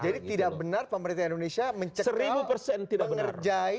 jadi tidak benar pemerintah indonesia mencegah mengerjai dan melarang rizik